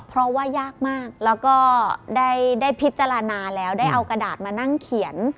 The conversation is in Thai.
เพราะว่ายากมากแล้วก็ได้พิจารณาแล้วได้เอากระดาษมานั่งเขียน